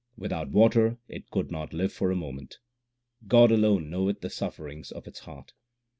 Without water it could not live for a moment ; God aione knoweth the sufferings of its heart.